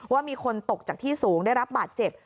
ว่ามีคนตกจากที่สูงได้รับบาดเจ็บ